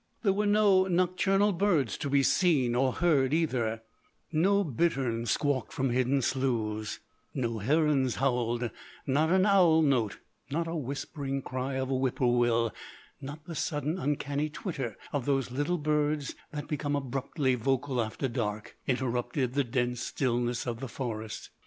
There were no nocturnal birds to be seen or heard, either: no bittern squawked from hidden sloughs; no herons howled; not an owl note, not a whispering cry of a whippoorwill, not the sudden uncanny twitter of those little birds that become abruptly vocal after dark, interrupted the dense stillness of the forest.